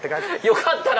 「よかったら」